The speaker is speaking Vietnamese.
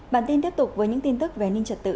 bản tin tiếp tục với những tin tức về an ninh trật tự